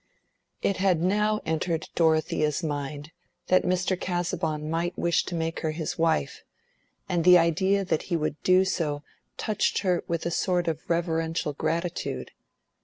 It had now entered Dorothea's mind that Mr. Casaubon might wish to make her his wife, and the idea that he would do so touched her with a sort of reverential gratitude.